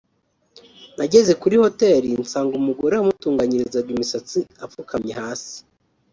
“Nageze kuri Hoteli nsanga umugore wamutunganyirizaga imisatsi apfukamye hasi